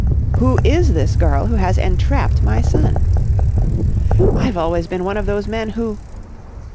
"Who is this girl who has entrapped my son?" "I've always been one of those men who...."